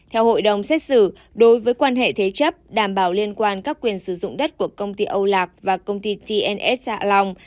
theo hội đồng xét xử đối với quan hệ thế chấp đảm bảo liên quan các quyền sử dụng đất của công ty âu lạc và công ty tns hạ long